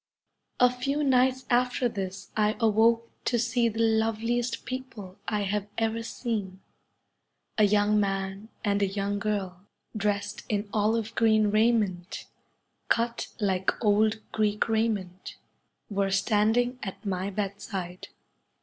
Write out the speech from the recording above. A few nights after this I awoke to see the loveliest people I have ever seen. A young man and a young girl dressed in olive green raiment, cut like old Greek raiment, were "5 The standing at my bedside.